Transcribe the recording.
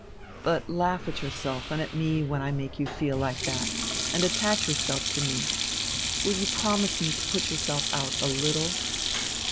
But laugh at yourself and at me when I make you feel like that, and attach yourself to me. Will you promise me to put yourself out a little?"